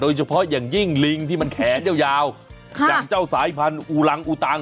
โดยเฉพาะอย่างยิ่งลิงที่มันแขนยาวอย่างเจ้าสายพันธุรังอุตัง